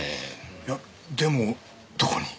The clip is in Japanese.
いやでもどこに？